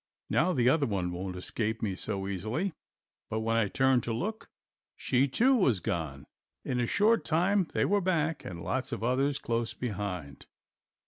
Now the other one won't escape me so easily. But when I turned to look, she, too, was gone. In a short time they were back and lots of others close behind.